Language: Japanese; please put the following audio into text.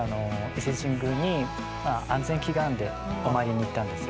伊勢神宮に安全祈願でお参りに行ったんですよ。